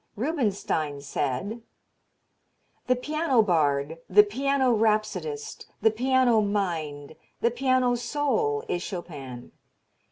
Rubinstein said: The piano bard, the piano rhapsodist, the piano mind, the piano soul is Chopin.